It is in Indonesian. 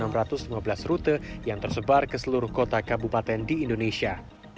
dan enam enam ratus lima belas rute yang tersebar ke seluruh kota kabupaten di indonesia